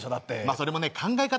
それもね考え方